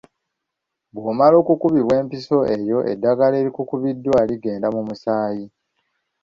Bw'omaliriza okukubibwa empiso eyo eddagala erikukubiddwa ligenda mu musaayi.